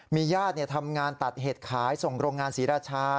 มีญาติเนี่ยทำงานตัดเหตุขายส่งโรงงานศิราชา